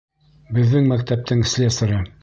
Беҙҙең мәктәптең слесары.